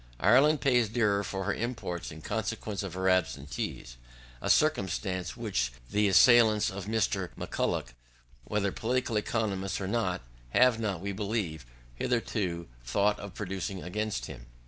Ireland pays dearer for her imports in consequence of her absentees; a circumstance which the assailants of Mr. M'Culloch, whether political economists or not, have not, we believe, hitherto thought of producing against him.